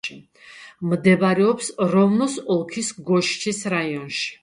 მდებარეობს როვნოს ოლქის გოშჩის რაიონში.